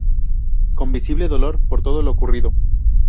Con visible dolor por todo lo ocurrido.